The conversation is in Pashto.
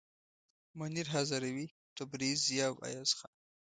منیر هزاروي، تبریز، ضیا او ایاز جان.